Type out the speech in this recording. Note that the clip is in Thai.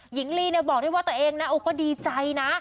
หญิงลีเนี่ยบอกได้ว่าตัวเองนะโอ้ก็ดีใจนะ